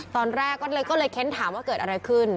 ตอนแรกก็เลยเค้นถามว่าเกิดอะไรขึ้น